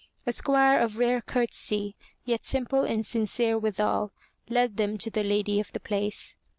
A squire of rare courtesy, yet simple and sincere withal, led them to the lady of the place.